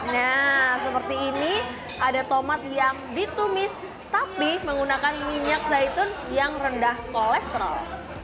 nah seperti ini ada tomat yang ditumis tapi menggunakan minyak zaitun yang rendah kolesterol